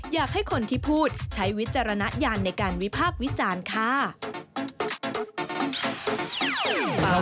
อยากให้คนที่พูดใช้วิจารณญาณในการวิพากษ์วิจารณ์ค่ะ